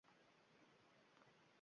Odatdagidek.